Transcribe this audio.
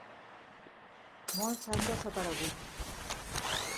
Molts han desaparegut.